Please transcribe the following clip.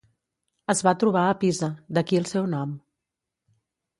Es va trobar a Pisa, d'aquí el seu nom.